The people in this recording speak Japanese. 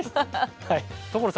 所さん